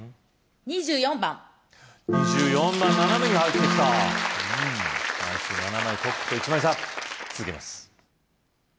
２４番２４番斜めに入ってきた枚数７枚トップと１枚差続けます